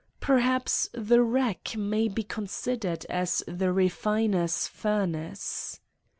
Perhaps the rack may be considered as the refi ner's furnace.